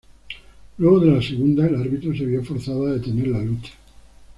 Luego de la segunda, el árbitro se vio forzado a detener la lucha.